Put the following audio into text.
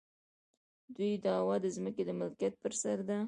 د دوی دعوه د ځمکې د ملکیت پر سر ده.